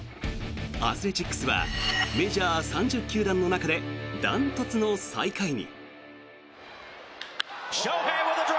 アスレチックスはメジャー３０球団の中で断トツの最下位に。